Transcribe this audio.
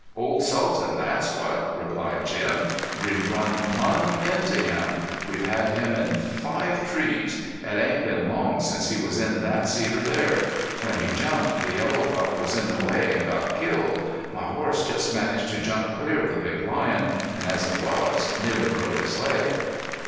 "Old Sultan. That's what," replied Jim. "We run plumb into him. We've had him in five trees. It ain't been long since he was in that cedar there. When he jumped the yellow pup was in the way an' got killed. My horse just managed to jump clear of the big lion, an' as it was, nearly broke his leg."